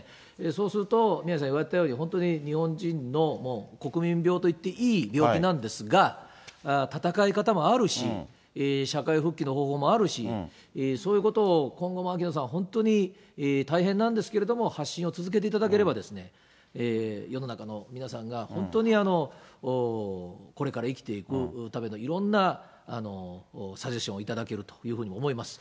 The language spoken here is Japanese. そうすると宮根さん言われたように、本当に日本人の国民病といっていい病気なんですが、闘い方もあるし、社会復帰の方法もあるし、そういうことを今後も秋野さんは本当に大変なんですけれども、発信を続けていただければ、世の中の皆さんが本当にこれから生きていくためのいろんなサジェスチョンを頂けると思います。